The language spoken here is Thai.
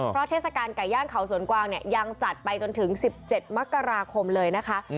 เพราะเทศกาลไก่ย่างเขาสวนกวางเนี่ยยังจัดไปจนถึง๑๗มกราคมเลยนะคะ